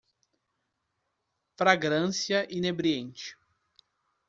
Fragrância inebriante